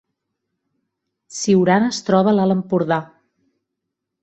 Siurana es troba a l’Alt Empordà